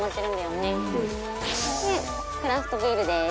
クラフトビールです。